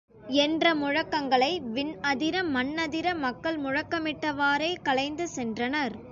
என்ற முழக்கங்களை விண் அதிர, மண்ணதிர மக்கள் முழக்கமிட்டவாறே கலைந்து சென்றனர்.